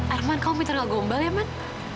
arman kamu pinter gak gombal ya man